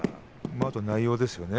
あと、内容ですね。